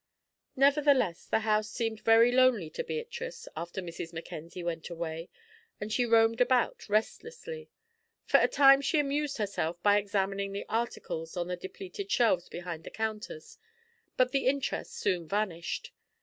Nevertheless, the house seemed very lonely to Beatrice after Mrs. Mackenzie went away, and she roamed about restlessly. For a time she amused herself by examining the articles on the depleted shelves behind the counters, but the interest soon vanished.